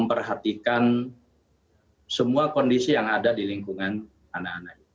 memperhatikan semua kondisi yang ada di lingkungan anak anak